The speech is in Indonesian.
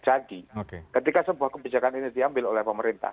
jadi ketika sebuah kebijakan ini diambil oleh pemerintah